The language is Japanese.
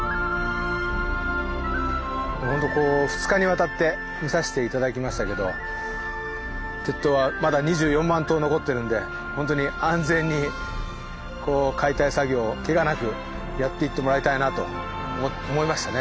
ほんとこう２日にわたって見さして頂きましたけど鉄塔はまだ２４万塔残ってるんでほんとに安全に解体作業をけがなくやっていってもらいたいなと思いましたね